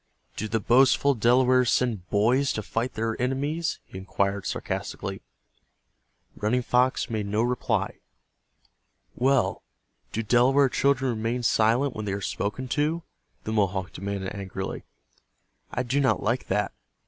"Do the boastful Delawares send boys to fight their enemies?" he inquired, sarcastically. Running Fox made no reply. "Well, do Delaware children remain silent when they are spoken to?" the Mohawk demanded, angrily. "I do not like that.